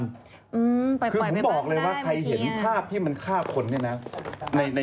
คือผมบอกเลยว่าใครเห็นภาพที่มันฆ่าคนเนี่ยนะ